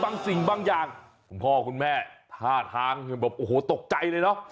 บางสิ่งบางอย่างคุณพ่อคุณแม่ท่าทางโอ้โหตกใจเลยเนาะ